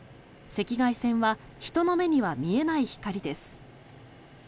赤外線は人の目には見えない光です。